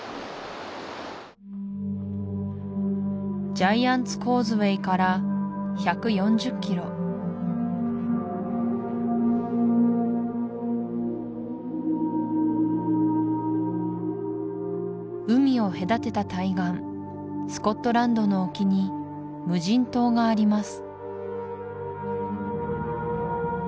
ジャイアンツ・コーズウェイから１４０キロ海を隔てた対岸スコットランドの沖に無人島があります